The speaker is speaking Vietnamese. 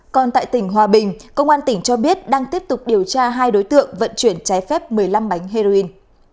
còn tại tỉnh hòa bình công an tỉnh cho biết đang tiếp tục điều tra hai đối tượng vận chuyển trái phép một mươi năm bánh heroin